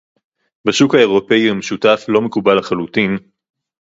בשוק האירופי המשותף, לא מקובל לחלוטין